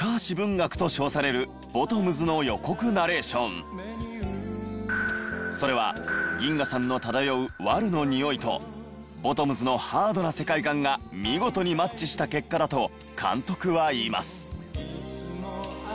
実はそれは銀河さんの漂うワルのにおいと『ボトムズ』のハードな世界観が見事にマッチした結果だと監督は言います。